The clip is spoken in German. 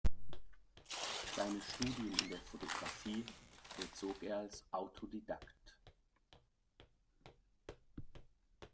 Seine Studien in der Fotografie vollzog er als Autodidakt.